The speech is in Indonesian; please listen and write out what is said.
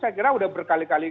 saya kira sudah berkali kali